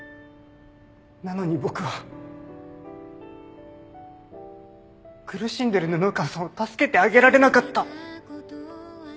なのに僕は苦しんでる布川さんを助けてあげられなかった。